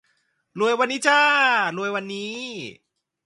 รวยวันนี้จ้า รวยวันนี้